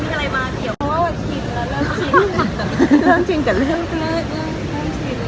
เพราะชินแล้วเรื่องชิน